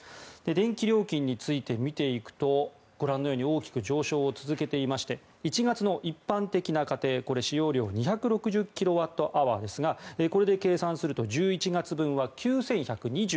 電気料金について見ていくとご覧のように大きく上昇を続けていまして１月の一般的な家庭これ、使用量２６０キロワットアワーですがこれで計算すると１１月分は９１２６円です。